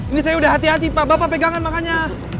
ini saya udah hati hati pak bapak pegangan makanya